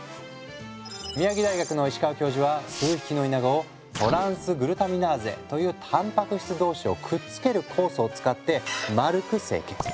宮城大学の石川教授は数匹のイナゴをトランスグルタミナーゼというタンパク質同士をくっつける酵素を使って丸く成形。